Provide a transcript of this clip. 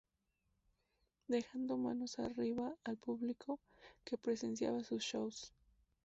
Dejando manos arriba al público que presenciaba sus shows.